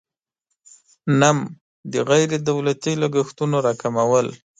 نهم: د غیر تولیدي لګښتونو راکمول.